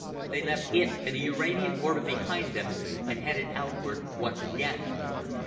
They left it and the Uranian orbit behind them and headed outward once again.